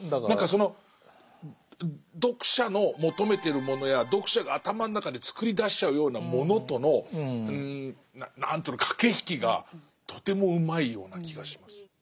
何かその読者の求めてるものや読者が頭の中で作り出しちゃうようなものとの何ていうの駆け引きがとてもうまいような気がします。